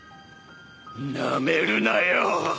なめるなよ。